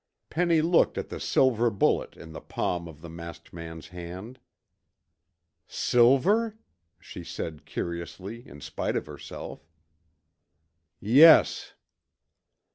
Penny looked at the silver bullet in the palm of the masked man's hand. "Silver?" she asked curiously, in spite of herself. "Yes."